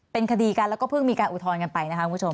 เป็นคดีกันแล้วก็เพิ่งมีการอุทธรณ์กันไปนะคะคุณผู้ชม